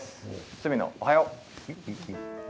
角野、おはよう。